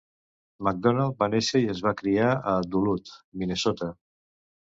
McDonald va néixer i es va criar a Duluth, Minnesota.